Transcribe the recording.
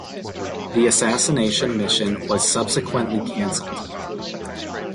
The assassination mission was subsequently cancelled.